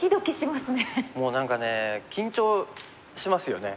もう何かね緊張しますよね。